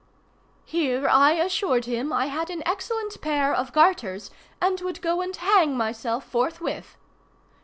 Here I assured him I had an excellent pair of garters, and would go and hang myself forthwith.